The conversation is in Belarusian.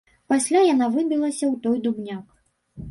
Пасля яна выбілася ў той дубняк.